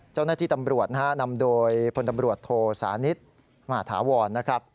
เจ้าหน้าที่ตำรวจนำโดยคนตำรวจโทษศาลนิษฐ์มาถาวรนะครับ